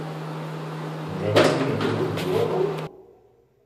D aɣanim yetthuzzu waḍu?